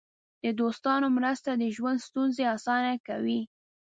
د دوستانو مرسته د ژوند ستونزې اسانه کوي.